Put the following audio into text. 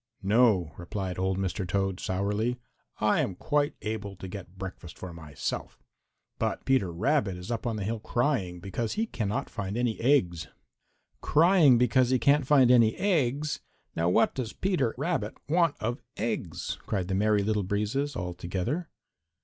"No," replied old Mr. Toad sourly. "I am quite able to get breakfast for myself. But Peter Rabbit is up on the hill crying because he cannot find any eggs." "Crying because he cannot find any eggs! Now what does Peter Rabbit want of eggs?" cried the Merry Little Breezes all together.